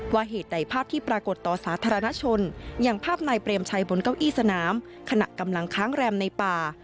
เหตุใดภาพที่ปรากฏต่อสาธารณชนอย่างภาพนายเปรมชัยบนเก้าอี้สนามขณะกำลังค้างแรมในป่า